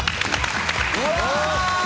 うわ！